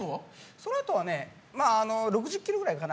そのあとはね６０ｋｍぐらいかな。